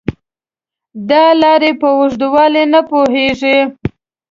دا لارې په اوږدوالي نه پوهېږي .